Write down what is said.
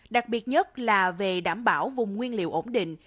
đặc biệt nhất là về đảm bảo vùng nguyên liệu ổn định